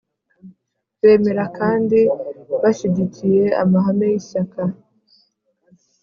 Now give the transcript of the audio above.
Bemera kandi bashyigikiye amahame y ishyaka